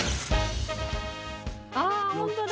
あホントだ。